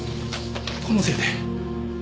このせいで。